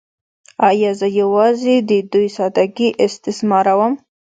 “ایا زه یوازې د دوی ساده ګۍ استثماروم؟